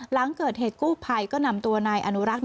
หลังเกิดเหตุกู้ภัยก็นำตัวนายอนุรักษ์